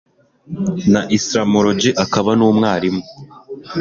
na Islamology akaba numwarimu